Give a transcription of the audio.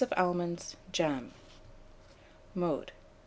of almonds, jam. Mode.